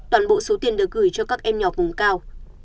toàn bộ số tiền được gửi cho các em nhỏ vùng cao